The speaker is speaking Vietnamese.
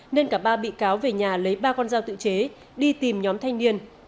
nên cả ba bị cáo về nhà lấy ba con dao tự chế đi tìm nhóm thanh niên